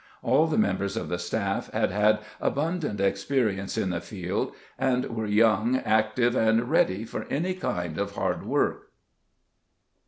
All the members of the staff had had abundant ex perience in the field, and were young, active, and ready for any kind of hard work.